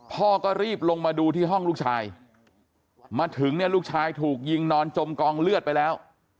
พ่อก็รีบลงมาดูที่ห้องลูกชายมาถึงเนี่ยลูกชายถูกยิงนอนจมกองเลือดไปแล้ว